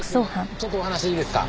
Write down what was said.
ちょっとお話いいですか？